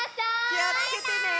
きをつけてね！